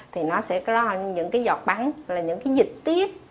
thì nó sẽ có những cái giọt bắn là những cái dịch tiết